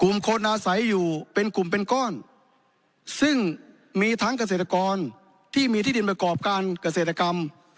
คนอาศัยอยู่เป็นกลุ่มเป็นก้อนซึ่งมีทั้งเกษตรกรที่มีที่ดินประกอบการเกษตรกรรม